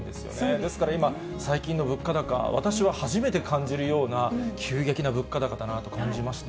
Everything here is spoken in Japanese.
ですから今、最近の物価高、私は初めて感じるような急激な物価高だなと感じました。